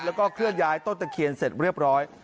แล้วก็เคลื่อนย้ายต้นตะเคียนเสร็จเรียบร้อย